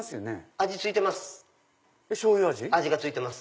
味付いてます。